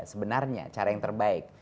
sebenarnya cara yang terbaik